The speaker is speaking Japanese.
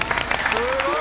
すごい！